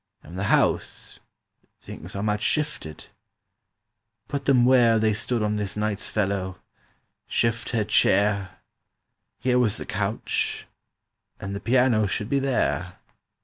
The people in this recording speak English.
"And the house—things are much shifted.— Put them where They stood on this night's fellow; Shift her chair: Here was the couch: and the piano should be there."